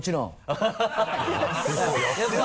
ハハハ